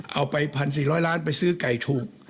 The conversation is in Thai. เอาไป๑๔๐๐ล้านไปซื้อไก่ถูก